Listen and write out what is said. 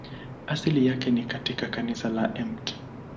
Asili yake ni katika kanisa la Mt.